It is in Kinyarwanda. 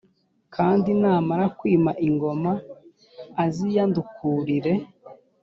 kandi namara kwima ingoma, aziyandukurire